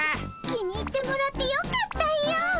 気に入ってもらってよかったよ。